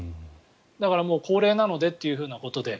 だからもう高齢なのでということで。